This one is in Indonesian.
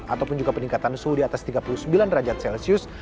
ataupun juga peningkatan suhu di atas tiga puluh sembilan derajat celcius